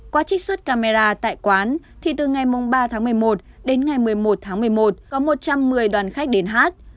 qua trích xuất camera tại quán thì từ ngày ba tháng một mươi một đến ngày một mươi một tháng một mươi một có một trăm một mươi đoàn khách đến hát